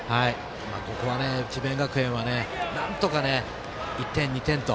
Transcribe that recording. ここは智弁学園はなんとか、１点、２点と。